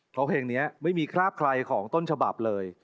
เพราะเพลงนี้ไม่มีคราบใครของต้นฉบับเลย